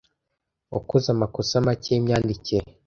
Wakoze amakosa make yimyandikire.